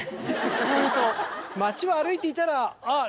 街を歩いていたらあっ